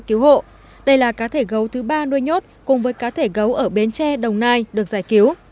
cứu hộ đây là cá thể gấu thứ ba nuôi nhốt cùng với cá thể gấu ở bến tre đồng nai được giải cứu